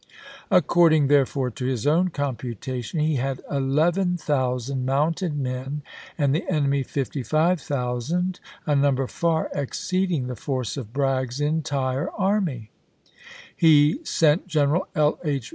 According, therefore, to his own computation he had 11,000 mounted men, and the enemy 55,000, a number far exceeding the force of Bragg's entire army. He sent G eneral L. H.